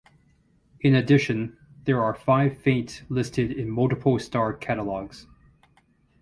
In addition, there are five faint listed in multiple star catalogues.